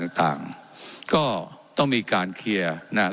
ว่าการกระทรวงบาทไทยนะครับ